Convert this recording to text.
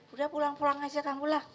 udah pulang pulang aja kamu lah